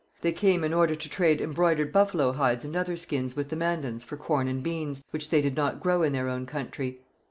They came in order to trade embroidered buffalo hides and other skins with the Mandans for corn and beans, which they did not grow in their own country.